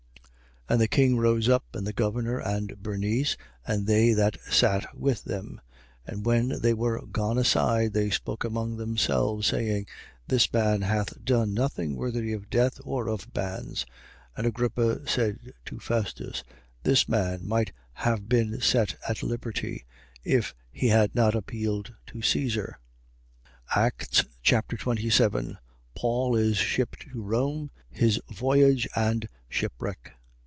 26:30. And the king rose up, and the governor and Bernice and they that sat with them. 26:31. And when they were gone aside, they spoke among themselves, saying: This man hath done nothing worthy of death or of bands. 26:32. And Agrippa said to Festus: This man might have been set at liberty, if he had not appealed to Caesar. Acts Chapter 27 Paul is shipped for Rome. His voyage and shipwreck.